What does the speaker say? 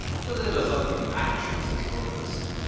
Was ever such matchless assurance!